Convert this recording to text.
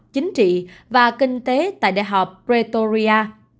chính trị và kinh tế tại đại học pretoria